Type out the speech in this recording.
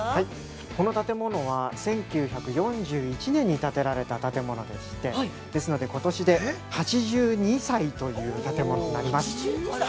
◆この建物は１９４１年に立てられた建物でして、ですので、ことしで８２歳という建物になります。